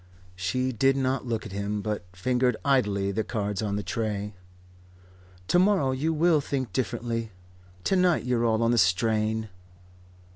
She did not look at him, but fingered idly the cards on the tray. "To morrow you will think differently. To night you're all on the strain."